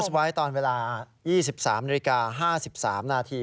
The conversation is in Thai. ไว้ตอนเวลา๒๓นาฬิกา๕๓นาที